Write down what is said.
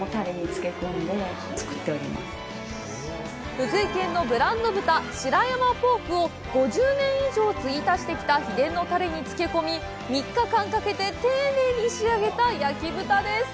福井県のブランド豚、白山ポークを５０年以上継ぎ足してきた秘伝のタレに漬け込み３日間かけて丁寧に仕上げた焼き豚です。